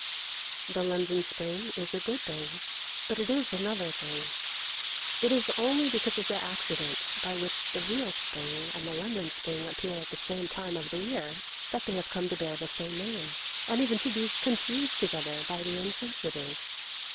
The London spring is a good thing, but it is another thing. It is only because of the accident by which the real spring and the London spring appear at the same time of the year that they have come to bear the same name, and even to be confused together by the insensitive.